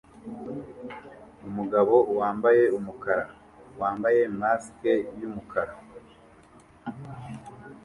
Umugabo wambaye umukara wambaye mask yumukara